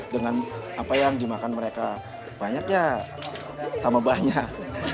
dengan apa yang dimakan mereka banyak ya tambah banyak